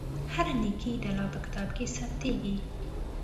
هره نېکۍ د الله په کتاب کې ثبتېږي.